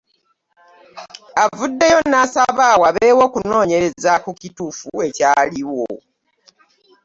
Avuddeyo n'asaba wabeewo okunoonyereza ku kituufu ekyaliwo.